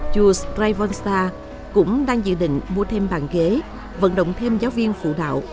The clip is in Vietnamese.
chùa sprayvonsta cũng đang dự định mua thêm bàn ghế vận động thêm giáo viên phụ đạo